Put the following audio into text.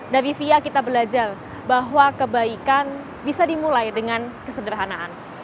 dari fia kita belajar bahwa kebaikan bisa dimulai dengan kesederhanaan